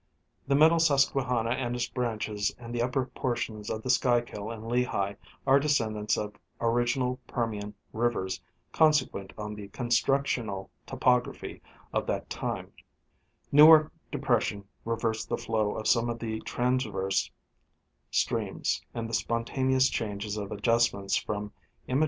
The middle Susquehanna and its branches and the upper portions of the Schuylkill and Lehigh are descendants of original Permian rivers consequent on the constructional topography of that time ; Newark depression reversed the flow of some of the transverse streams, and the spontaneous changes or adjustments from imma Tlie Rivers and Valleys of Pennsylvania.